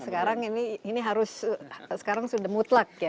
sekarang ini harus sekarang sudah mutlak ya